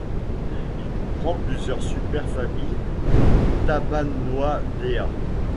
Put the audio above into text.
Il comprend plusieurs super-familles dont Tabanoidea.